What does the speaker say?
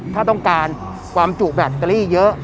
ถ้าต้องการความจุแบตเตอรี่เยอะ